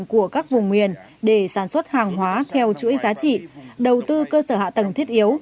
của các vùng miền để sản xuất hàng hóa theo chuỗi giá trị đầu tư cơ sở hạ tầng thiết yếu